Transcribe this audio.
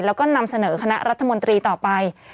แล้วก็นำเสนอคณะรัฐมนตรีต่อไป